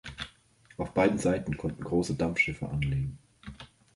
Auf beiden Seiten konnten große Dampfschiffe anlegen.